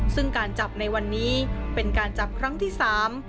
ซึ่งการจับในวันนี้เป็นการจับครั้งที่สาม